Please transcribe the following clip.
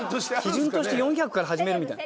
基準として４００から始めるみたいな。